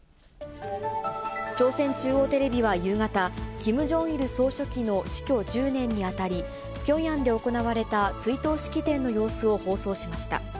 朝鮮中央テレビは夕方、キム・ジョンイル総書記の死去１０年にあたり、ピョンヤンで行われた追悼式典の様子を放送しました。